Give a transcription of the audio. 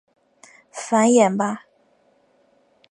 繁衍吧！